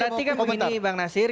berarti kan begini bang nasir